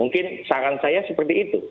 mungkin saran saya seperti itu